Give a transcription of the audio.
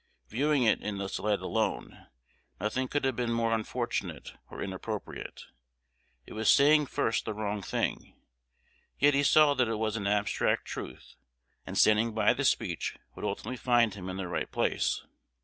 Viewing it in this light alone, nothing could have been more unfortunate or inappropriate. It was saying first the wrong thing; yet he saw that it was an abstract truth, and standing by the speech would ultimately find him in the right place.